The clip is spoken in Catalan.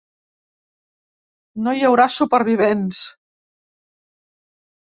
No hi haurà supervivents.